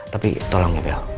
tapi tolong ya bel